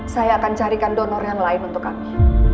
saya akan carikan donor yang lain untuk kami